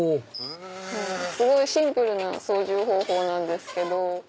すごいシンプルな操縦方法なんですけど。